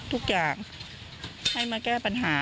ทุกอย่างให้มาแก้ปัญหา